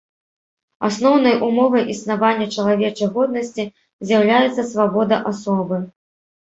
Асноўнай умовай існавання чалавечай годнасці з'яўляецца свабода асобы.